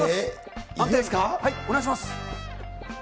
お願いします。